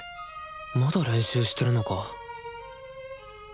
まだ練習してるのか？